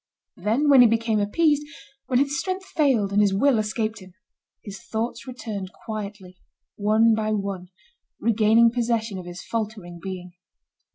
Then, when he became appeased, when his strength failed and his will escaped him, his thoughts returned quietly, one by one, regaining possession of his faltering being.